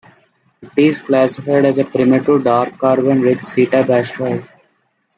It is classified as a primitive, dark carbon-rich C-type asteroid.